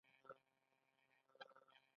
پوټاش د کیمیاوي سرې لپاره کارول کیږي.